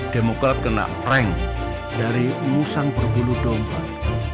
demokrat kena prank dari musang berbulu domba